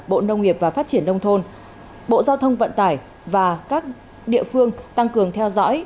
bộ nông nghiệp và phát triển nông thôn bộ giao thông vận tải và các địa phương tăng cường theo dõi